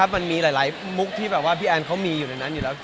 มันมีหลายมุกที่แบบว่าพี่แอนเขามีอยู่ในนั้นอยู่แล้ว